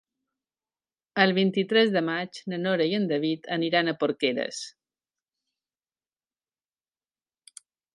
El vint-i-tres de maig na Nora i en David aniran a Porqueres.